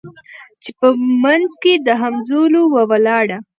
چي په منځ کي د همزولو وه ولاړه